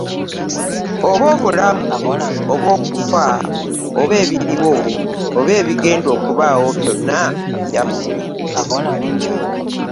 Oba obulamu, oba okufa, oba ebiriwo, oba ebigenda okubaawo, byonna byammwe.